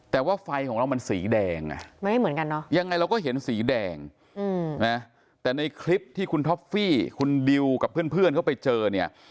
แต่ว่าไฟของเรามันสีแดงยังไงเราก็เห็นสีแดงแต่ในคลิปที่คุณทอฟฟี่คุณดิวกับเพื่อนเขาไปเจอเนี่ย